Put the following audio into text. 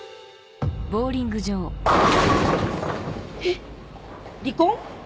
えっ離婚？